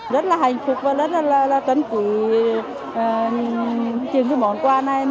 rất là hạnh phúc và rất là tân trị chương trình món quà này